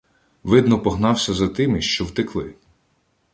Видно, погнався за тими, що втекли.